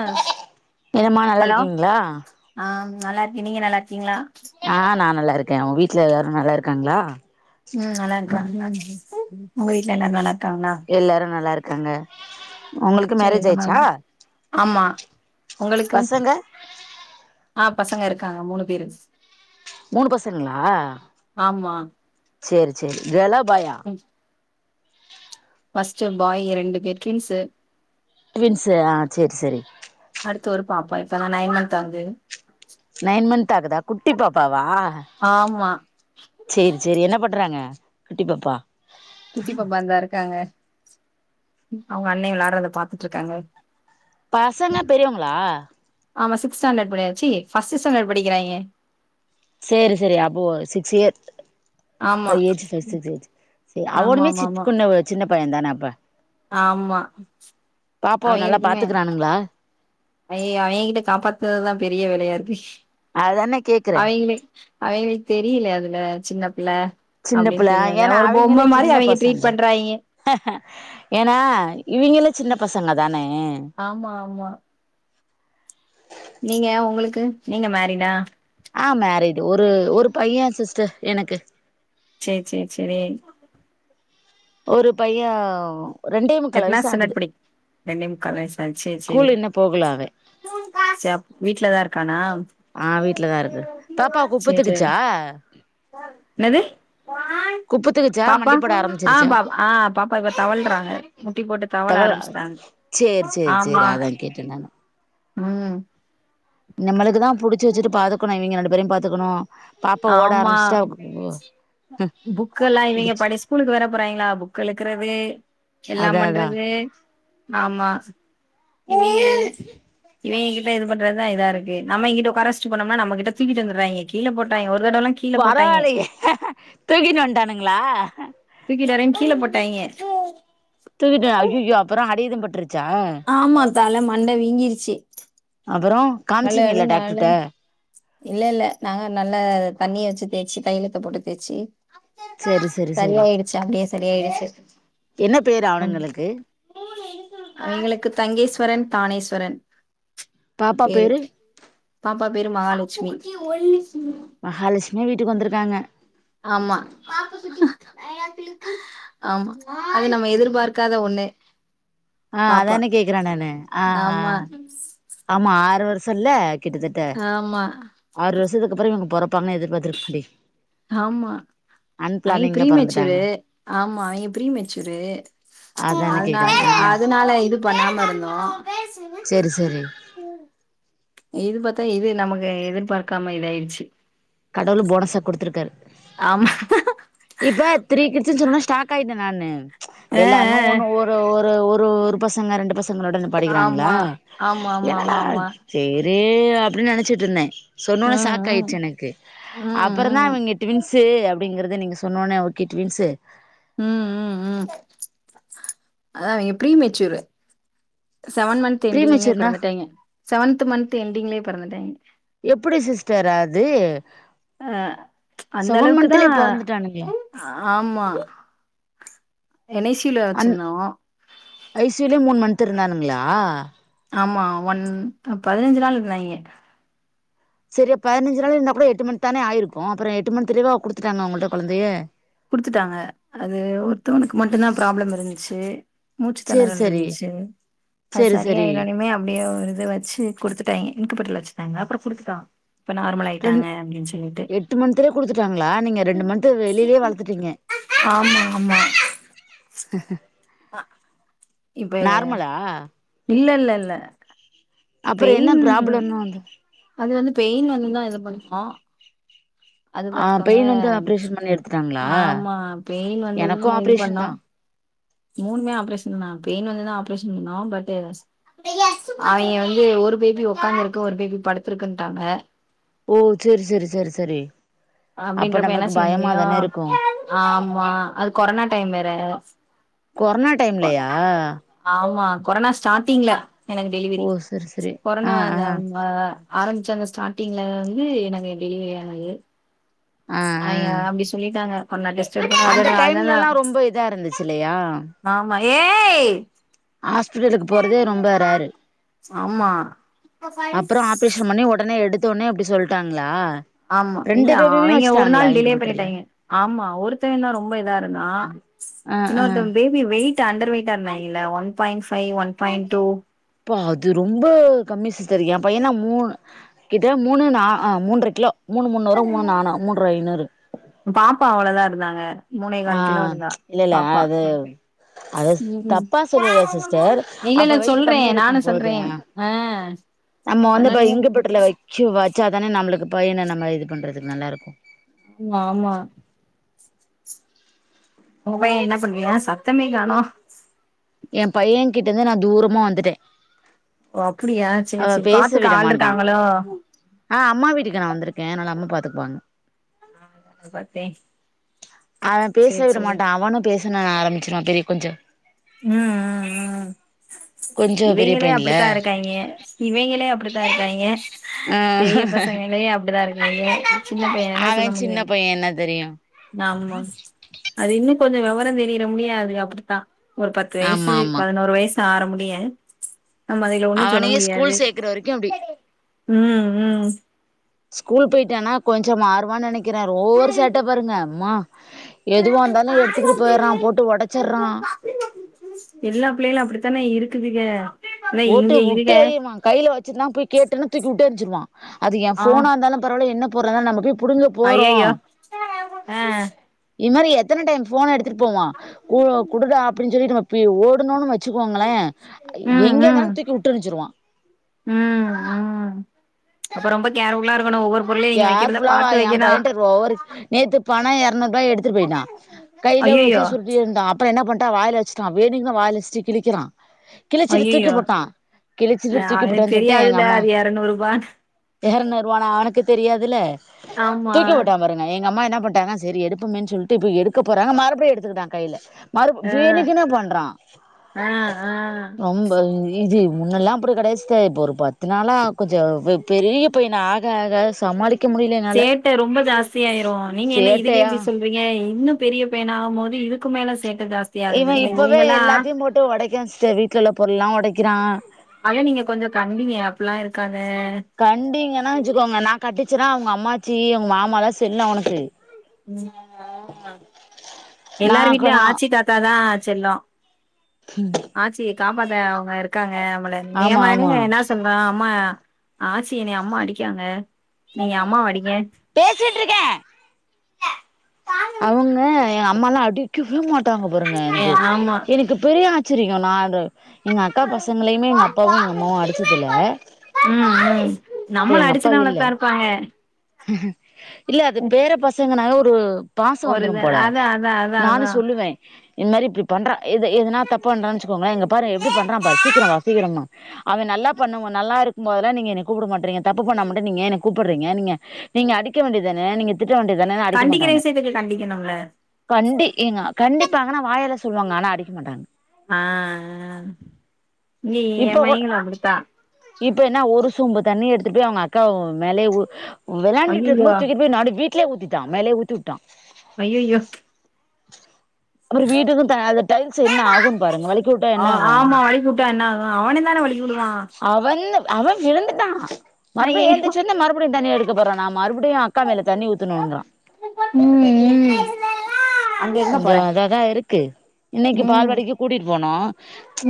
As என்னம்மா நல்லா hello இருக்கீங்களா ஆ.. நல்லா இருக்கேன். நீங்க நல்லாயிருக்கீங்களா ஆ.. நா நல்லா இருக்கேன். உங்க வீட்ல எல்லாரும் நல்லா இருக்காங்களா ம்.. நல்லா இருக்காங்க உங்க வீட்ல எல்லாரும் நல்லா இருக்காங்களா எல்லாரும் நல்லா இருக்காங்க உங்களுக்கு மேரேஜ் செரிங்க மேம் ஆயிடுச்சா ஆமா உங்களுக்கு பசங்க ஆ.. பசங்க இருக்காங்க.. மூணு பேரு மூணு பசங்களா ஆமா சேர் சேரி கேல்ளா? பாயா? ம் ஃபஸ்ட் பாய், ரெண்டு பேர் ட்வின்ஸ் ட்வின்ஸ் ஆ சேர் சேரி அடுத்து ஒரு பாப்பா இப்பதா நைன் மந்த் ஆகுது. நைன் மந்த் ஆகுதா குட்டிப் பாப்பாவா. ஆம்மா சேரி சேரி என்ன பண்றாங்க குட்டி பாப்பா. குட்டி பாப்பா இந்தா இருக்காங்க அவ்ங்க அண்ண விளையாடுரத பாத்துட்ருக்காங்க. பசங்க பெரியவங்களா ஆமா சிக்ஸ்த் ஸ்டாண்டர்ட் படிக் சீ பஸ்ட் ஸாண்டர்ட் படிக்கிறாங்க. சேரி சேரி அப்போ சிக்ஸ் இயர். ஆமா பைவ் ஏஜ் செர் செர் செர் செ ஆமா அவனுமே ஆமா சிட்க்குன்ன சின்ன பைய தானே அப்ப ஆம்மா பாப்பாவ நல்லா அவெங்களுக்குமே பாத்துக்கறானுங்களா அய்யய்யோ அவெங்கிட்ட காப்பாத்ததுதா பெரிய வேலயா இருக்கு அதானே கேக்குறே அவெங்க அவெங்களுக்கு தெரியலே அதுக சின்ன புள்ள சின்ன அப்டின் பிள்ள தெரியாதுல ஏன்னா ஒரு அவிங்களே பொம்ம மாரி சின்ன அவேங்க பசங்க ட்ரீட் பண்றாய்ங்க. ஏன்னா இவெங்களு சின்ன பசங்க தானே. ஆமா ஆமா நீங்க உங்களுக்கு நீங்க மேரிடா ஆ மேரிடு ஒரு ஒரு பைய சிஸ்டர் எனக்கு. சேர் சேர் சேரி ஒரு பையவ் எத்தனா ஸ்டாண்டர்ட் படிக் ரெண்டே முக்கா வயசா சேர் சேரி ஸ்கூல் இன்னு போகல அவ சே அப் வீட்டுலதா இருக்கானா. ஆ வீட்லதா இருக்கு பாப்பா செரு குப்பத்துக்குச்சா என்னது குப்புத்து வச்ச பாப்பா ஆ பாப்பா ஆ பாப்பா இப்ப தவழ்றாங்க. முட்டி போட்டு தவள ஆரம்ப்ச்டாங்க சேரி சேரி ஆமா சேரி அதா கேட்டே நானு ம் நம்மளுக்கு தா புடிச்சு வச்சிட்டு பாதுக்கணு இவங்க ரெண்டு பேரையு பாத்துக்கணு பாப்பா ஓட ஆம்மா ஆரம்பிச்சுட்டா புக்கல்லா இவெங்க புடிச்சு படிச் ஸ்கூலுக்கு வேற போறாங்கெளா புக் இழுக்கிறது. எல்லாம் அதா அதா பண்றது ஆம்மா. இவெங்க கிட்ட இது பண்றதா இதா இருக்கு நம்ம கிட்ட உட்காரவஸ்டு போனோம்னா நம்ம கிட்ட தீக்கிட்டுவந்துடுறாங்கே கீழ போட் நா எவ்ரு தடொல்லே பரவாலையே தூக்கிட்டு வந்துட்டானுங்களா. தூக்கிட்டுவரேன் கீழே போட்டாய்ங்க. தூங்கிட்டு அய்யய்யோ அப்புறோ அடி ஏது பட்டிருச்சா. ஆமா தல மண்ட வீங்கிருச்சு. அப்பறோ அழு காமிச்சிங்கல்ல அழுன்னு அழு டாக்டர்ட்ட. இல்ல இல்ல நாங்க நல்லா தண்ணிய வச்சு தேச்சு தையிலத்த போட்டு தேச்சு சரி சரி சரி சரியாயிடுச்சு அப்டியே சரியாயிடுச்சு என்ன பேரு அவனுங்களுக்கு அஎங்களுக்கு தங்கேஸ்வரன் தானேஸ்வரன் பேரு பாப்பா பேரு மகாலட்சுமி மகாலட்சுமியே வீட்டுக்கு வந்துருக்காங்க ஆமா ஆமா அது நம்ம எதிர்பார்க்காத ஒண்ணு. ஆ பாப்பா அதானே கேக்குறேநானு ஆ ஆ ஆமா ஆமா ஆறு வருஷோ இல்ல கிட்டத்தட்ட ஆமா ஆறு வருசத்துக்கப்புறோ இவுங்கப்பொறப்பாங்கன்னு எதிர்பாத்துட்டுருக்கேன் மாட் ஆமா பொறந்துட்டாங்க அய்ப்ரீமெச்சூரு ஆமா அய்ப்ரீமெச்சூரு அதானே அதனால கேக்குறேன் ஆ அதனால இது பண்ணாம இருந்தோ செரி செரி இது பாத்தா இது நமக்கு எதிர்பாக்காம இதாயிருச்சு கடவுள் போனஸா குடுத்துருக்காரு ஆமா இப்ப த்ரீ கிட்சு சொன்ன ஒன்னே ஸ்டாக் ஆயிட்டே நானு ஆ எல்லார்னு ஒண்ணு ஒரு ஒரு ஒரு ஒரு ஒரு பசங்க ரெண்டு பசங்களோட ஆ நிப்பாட்டிகிறாங்களா ஆமா ஆமா என்னன்னா ஆமா ஆமா ஆமா செரி அப்டின்னு நெனச்சிட்டு இருந்தே சொன்னொன்னே ம் சாக் ஆயிடுச்சு ம் எனக்கு ம் அப்றோ தா ம் அவிங்க ட்வின்ங்சு அப்டிங்கிறது நீங்க சொன்னோனே ஓகே டவின்ங்சு ம் ம் ம் அ premature seven month seventh month எண்டிங்ளே ப்ரீமெச்சூர்னா பிறந்துட்டேங்க செவன்த் மன்த் எண்டிங்லே பிறந்துட்டாங்க எப்டி சிஸ்டர் அது அ அந்த செவன் அளவுக்கு தா மன்த்திலயே பொறந்துட்டானுங்க ஆமா என் ஐ சி வுல அந் வெச்சிருந்தோ ஐ சி யூலேயே மூணு மன்த் இருந்தானுங்களா ஆமா ஒன் பதினஞ்சு நாள் இருந்தாங்கே செரி பதினஞ்சு நாள் இருந்தா கூட எட்டு மன்த்து தானே ஆயிருக்கு அப்றோ எட்டு மன்த்லேவா குடுத்துடாங்க உங்க கிட்ட கொழந்தைய குடுத்துட்டாங்க அது ஒருத்தவனுக்கு மட்டும்தா ப்ராப்ளம் இருந்துச்சு மூச்சு சேரி தெணறல் சேரி இரின்ந்துச்சு அது சேரி சேரி செரியாருனுமே அப்டியே இது வச்சு குடுத்துட்டாங்கே இங்க்குபெட்டர்ல வெச்சிருந்தாங்க அப்றோ குடுத்துட்டா இப்ப நார்மலா ரெண் எட்டு மன்துலயே குடுத்துட்டாங்களா நீங்க ரெண்டு மன்த் வெளிலேயே வளத்துட்டீங்க ஆமா ஆமா ஆ இப்ப ஆ இல்ல இல்ல இல்ல பெயின் ஆ அது வந்து பெயின் வந்துதா இது பண்ணிப்போ அது ஆ பாத்துக்கோங்க பெயின் வந்து ஆப்ரேஷன் பண்ணி எடுத்துட்டாங்களா ஆமா பெயின் வந்து எனக்கு தா இது ஆப்ரேஷன் பண்ணா தா மூணுமே ஆப்ரேஷனா பெயின் வந்துதா ஆப்ரேஷன் பண்ணோ பட்டு அவுங்க வந்து ஒரு பேபி உக்காந்துருக்கு ஒரு பேபி படுத்திருக்குட்டாங்க ஓ சேரி சேரி சேரி சேரி அப்டின்றப்ப என்ன செய்ய முடியு இருக்கு ஆமா அது கொரானா டைம் வேற கொரனா டைம்லயா ஆமா கொரனா ஸ்டார்டிங்ல எனக்கு டெலிவிரி ஓ செரி செரி கொரனா ஆ ஆ இந்த ஆரம்மெச்ச அந்த ஸ்டார்டிங்ல வந்து எனக்கு டெலிவரி ஆனது ஆய ஆ அப்டி சொல்லிட்டாங்க கொரானா டெஸ்ட் அந்த எடுக்கனு அதனான டைம்லல்லா ரொம்ப இதா இருந்துச்சில்லயா ஆமா ஏய் ஹாஸ்பிட்டலுக்கு போறதே ரொம்ப ரேரு ஆமா அப்றோ ஆப்ரேஷன் பண்ணி உடனே எடுத்த உடனே அப்டி சொல்லிட்டாங்களா ஆமா இல்ல அவிங்க ஒரு நாள் டிலே இன்குபேட்டர்ல பண்ணிட்டாங்கே ஆமா ஒருத்தவேந்தா ரொம்ப இதா இருந்தா அ ஆ அந்த பேபி வெயிட் அண்டர் வெயிட்டா இருந்தாய்ங்கல்ல one point five one point two ப்பா அது ரொம்ப கம்மி சிஸ்டர் ஏ பையன்லா மூணு கிட்ட மூணு நா அ மூன்ற கிலோ மூணு முந்நூறு மூணு நான மூண்ற ஐநூறு பாப்பா அவ்ளோதா இருந்தாங்க மூணே ஆ கால் கிலோ இருந்தா இல்லல்ல பாப்பா அது அத ம் தப்பா சொல்லல சிஸ்டர் இல்ல அப்ப இல்ல வெயிட் சொல்றே கம்மியா நானு இருக்கம்போது சொல்றே ஆ நம்ம வந்து ப அதனாலயே இங்க்பேட்டர்ல வைக்சு வச்சாதானே நம்மளுக்கு பையன நம்ம இது பண்றதுக்கு நல்லாருக்கு ம் ஆமா ஒங்க பைய என்ன பண்ணிக்றா சத்தமே காணோ எ பைய கிட்ட இருந்து நா தூரமா வந்துட்டே ஓ அப்டியா சரி அவ சரி பேச பாத்துக்க விட ஆள் மாட்டா இருக்காங்களோ ஆ அம்மா வீட்டுக்கு நா வந்திருக்கே அதனாலா அம்மா பாத்துக்குப்பாங்க பாத்தே அவெ பேச சேரி விட சேரி மாட்டா அவனு பேசனுன் ஆரம்பிச்சிருாவா பெரிய கொஞ்சொ ம் ம் ம் கொஞ்சோ பெரிய இவிங்களே அப்டித்தா பையன்ல இருக்காங்க இவைங்களே அப்டித்தா இருக்காய்ங்க ஆ பெரிய பசங்களே அப்டிதா இருக்காய்ங்க சின்ன பைய என்ன சொல்ல முடியு பைய என்ன தெரியு ஆமா அது இன்னு கொஞ்சொ வெவரொ தெரியுற முடிய அது அப்டித்தா ஒரு பத்து வயசு ஆமா ஆமா பதினோரு வயசு ஆற முடிய நம்ம அதுகள ஒன்னு சொல்ல அவனையே முடியாது ஸ்கூல் சேக்குற வரைக்கும் அப்டி ம் ம் ஸ்கூல் போயிட்டானா கொஞ்சோ மாறுவான்னு நெனைக்கிறே ரோவர் சேட்ட பாருங்க அம்மா எதுவ இருந்தாலு எடுத்துக்கிட்டு போயடுறா போட்டு ஒடச்சறா எல்லா பிள்ளைகளு அப்டித்தானே இருக்குதுக இல்ல போட்டு இங்க இதுக விட்டெறிவான் கைல வச்சுட்டுனா போய் கேட்டுன்னு தூக்கி வுட்டெறஞ்சிருவா அது எ ஆ ஃபோனா இருந்தாலு பரவால என்ன பொருளானாலு நம்ம போய் புடுங்க போறோ அய்யய்யோ ஆ இந் மாரி எத்தன டைம் ஃபோன் எடுத்துட்டு போவா கு குடுடா அப்டின்னு சொல்லி நம்ம போய் ஓடுன்னோனு வச்சுக்கோங்களே அய் ம் ம் எங்கெருந்தாலு தூக்கி வுட்டெருஞ்சுருவா ம் ம் அப்ப ரொம்ப கேர்ஃபுலா இருக்கணு ஒவ்வொரு பொருளையு நீங்க வைக்கிறத கேர்புல்லாவா பாத்து எ வைக்கணு பையன்ட ஓவர் நேத்து பணோ எரநூறுபா எடுத்துட்டு போய்ட்டா கைல வச்சு ஐயையோ சுருட்டிட்டு இருந்தா அப்பறோ என்ன பண்ட்டா வாய்ல வச்சுட்டா வேணிங்கு வாய்ல வச்சட்டு கிழிக்கிறா கிழிச்சுட்டு தூக்கி ஐயையோ போட்டா கிழிச்சுட்டு அ தூக்கி எனக்கு போட்டான்னு சொல்ட்டு எங்க தெரியாதுல்ல அம்மா அது எரநூறுபான்னு எறநூறுவானு அவனுக்கு தெரியாதுல ஆமா தூக்கி போட்டா பாரு அ எங்க அம்மா என்ன பண்ட்டாங்கனா சரி எடுப்போமேனு சொல்லிட்டு போய் எடுக்க போறாங்க மறுபடியு எடுத்துக்கிட்டா கைல மறு ஆ வேணுக்குனே பண்றா ஆ ஆ ரொம்ப இது முன்னெல்லா அப்டி கெடையாது சிஸ்டர் இப்போ ஒரு பத்து நாளா கொஞ்சோ பெரிய பையனா ஆக ஆக சமாளி சேட்ட ரொம்ப ஜாஸ்தியாயிரு நீங்க என்ன இதுக்கே சேட்டையா இப்டி சொல் றீங்க இன்னு பெரிய பையனாகும் போது இதுக்கு மேல சேட்ட ஜாஸ்தி ஆகுது இவெ இந்த இப்பவே இவிங்கெல்லா எல்லாத்தையு போட்டு ஒடைக்கா சிஸ்டர் வீட்ல உள்ள பொருள்லா ஒடக்கிறா ஆனா நீங்க கொஞ்சொ கண்டிங்க அப்டிலா இருக்காத கண்டிங்கனா வச்சுக்கோங்க நா கட்டிச்சேன்னா அவுங்க அம்மாச்சி அவாங்க மாமால்லா செல்ல அவனுக்கு நா எல்லாரு வீட்லயு நா ஆச்சி தாத்தாதா செல்லோ ம் ஆச்சி காப்பாத அவுங்க இருக்காங்க நம்ள ஏ ஆமா மயனே ஆமா என்ன சோ ல்வ அம்மா ஆச்சி என்னய அம்மா அடிக்காங்க நீங்க அம்மாவ அடிங்க பேசிட்டு இருக்கே அவுங்க எ அம்மால்லா அடிக்கவே மாட்டாங்க பாருங்க ஏ எனக்கு ஆமா எனக்கு பெரிய [unintelligible] [unintelligible] நாடு எங்க அக்கா பசங்களயுமே எங்க அப்பாவு எங்க அம்மாவு அடிச்சதில்ல ம் ம் இப்ப நம்மள எங்க அப்பா அடிச்சுதா இல்ல வளத்தா இருப்பாங்க இல்ல அது பேர பசங்கனாவே ஒரு பாசம் ஒரு வந்துரு இது போல அதா அதா அதா நானு அதா சொல்லுவே இந்து மாரி இப்டி பண்றா இது இது எதுனா தப்பண்றா வச்சுங்கோமே இங்க பாரு எப்டி பண்றா பாரு சீக்கிர வா சீக்கிரமா அவ நல்லா பண்ணுவா நல்லா இருக்கும் போதல்லா நீங்க என்ன கூப்ட மாட்றீங்க தப்பு பண்ணா மட்டு நீங்க ஏ என்ன கூப்ட்றீங்க நீங்க நீங்க அடிக்க வேண்டியதுதானே நீங்க திட்ட வேண்டியதுதானே அடிக்க கண்டிக்கிற மாட்டாங்க விஷயத்துக்கு கண்டிக்கணும்ல கண்டி ஏங்க கண்டிபாங்கன்னா வாய்ல சொல்வாங்க ஆனா அடிக்க மாட்டாங்க ஆ ஆ நீ ஏ இப்ப கூட மையங்களு அப்டித்தா இப்ப என்ன ஒரு சொம்பு தண்ணி எடுத்துட்டு போய் அவுங்க அக்கா மேலேயே ஊ வெளாண்டுட்டு இருக்கு ஐயயோ போது தூக்கிட்டு போய் நடு வீட் லே ஊத்திட்டா மேலேயே ஊத்திவுட்டா ஐய்யய்யோ அப்பற வீட்டுக்கு தா அது டைல்ஸ் என்ன ஆகு பாருங்க வழுக்கி வுட்டா ஆ என்னாகு ஆமா வழுக்கிவுட்டா என்னாகு அவனுந்தா வழி வுழுவா அவன் அவன் விழுந்துட்டா மறுபடியு ஐயயோ எழுந்துச்சு வந்து மறுபடியு தண்னி எடுத் க்க போறனா மறுபடியு அக்கா மேல தண்ணி ஊத்தணுன்றா ம் ம் கொஞ்சோ அதா தா இருக்கு இன்னைக்கி ம் பால்வாடிக்கி கூட்டிட் போனோ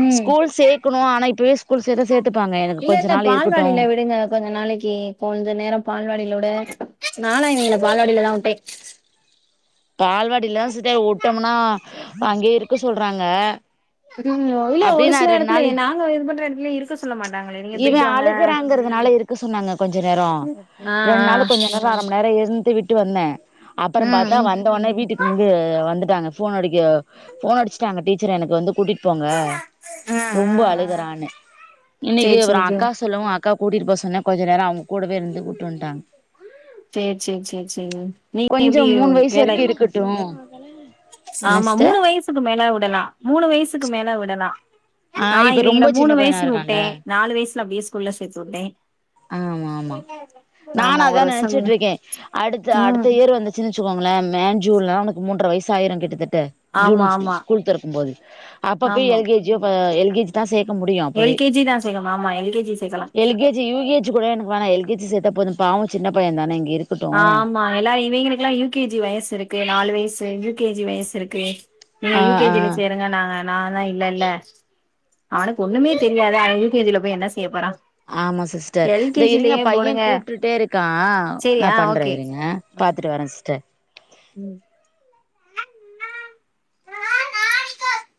ம் ஸ்கூல் சேக்கணு ஆனா இப்பவே ஸ்கூல் சேத்தா சேத்துப்பாங்க எனக்கு கொஞ்ச நாள் இருக்கட்டு இருங்க கொஞ்ச நாளைக்கி கொஞ்ச நேரோ பால்வாடில விட நாலா இவிங்கள பால்வாடில தா வுட்டே பால்வாடில்லலா சத்யா உட்டோம்னா அங்கேயே இருக்க சொல்றாங்க ம் இல்ல ஒரு அப்டியே சில நான் ரெண்டு எடத்துல நாள் நாங்க இது பண்ற எடத்துலயே இருக்க சொல்ல மாட்டாங்களே நீங்க போயிட்டு வாங்க இருக்கரங்கிறதுனால இருக் இருக்க சொன்னாங்க கொஞ்ச நேரோ ஆ ரெண்டு நாளு ஆ கொஞ்ச நேரோ அர மண் நேரம் இருந்து விட்டு வந்தே ம் அப்பறப் பாத் ம் ம் வந்தவோனே வீட்டுக்கு இங்கு வந்துட்டாங்க ஃபோன் அடிக்க ஃபோன் அடுச்சுட்டாங்க டீச்சர் எனக்கு வந்து கூட்டிட்டு போங்க ம் ரொம்ப ம் அழுகுறானு இன்னைக்கி சேரி அப்பறோ சேரி சேரி அக்கா சொல்லவு அக் அக்கா கூட்டிட்டு போ சொன்னே கொஞ்ச நேரோ அவுங்க கூடவே இருந்து கூட்டுவன்ட்டாங்க சேர் சேர் சேர் சேரி வீட்ல கொஞ்சோ எப்டி மூணு வயசு வேலை வரைக்கு இருக்கட்டு என்ன ஆமா சிஸ்டர் மூணு வயசுக்கு மேல விடலா மூணு வயசுக்கு மேல விடலா ஆ நா இப்ப இவிங்கள ரொம்ப மூணு சின்ன பையனா வயசுக்கு வுட்டே இருக்கான்ல நாலு வயசுல அப்டியே ஸ்கூல்ல சேத்துவுட்டே ஆமா ஆமா நானு அதா ஒரு வருஷோ நெனச்சுட்டு இருக்கே அடுத்த அடுத்த ம் இயர் வந்து ச்சுங்கோங்களே மேன் ஜூன்லா அவனுக்கு மூன்ற வயசாயிரு கிட்டத்தட்ட ஜூன் ஆமா ஆமா ஸ்கூல் தெறக்கும் போது அப்ப போயி ஆமா எல் கே ஜி யோ பா எல் கே ஜி தா சேக்க முடியு அப்பவே எல் கே ஜி தா சேக்கணு ஆமா எல் கே ஜி சேக்கலா எல் கே ஜி [unintelligible] ஜி கூட எனக்கு வேனா எல் கே ஜி சேத்தா போது பாவோ சின்ன பையன் தான இங்க இருக் ஆமா எல்லா இவிங்களுக்கெல்லா யு கே ஜி வயசுருக்கு நாலு வயசு யு கே ஜி வயசுருக்கு நீங்க ஆ யு கே ஆ ஜி ல சேருங்கனாங்க நா தா இல்ல இல்ல அவனுக்கு ஒண்ணுமே தெரியாது அவே யு கே ஜி ல போயி என்ன செய்யபோறா ஆமா சிஸ்டர் இந்த இருங்க பைய கூப்டுட்டே இருக்கா சேரி நா ஆ பண்றே ஓகே இருங்க ம் பாத்துட்டு வரே சிஸ்டர் ம்